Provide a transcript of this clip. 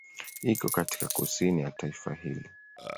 Iko katika kusini ya taifa hili.